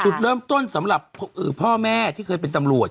จุดเริ่มต้นสำหรับพ่อแม่ที่เคยเป็นตำรวจ